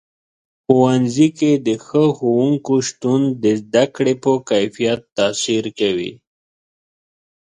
ښوونځي کې د ښه ښوونکو شتون د زده کړې په کیفیت تاثیر کوي.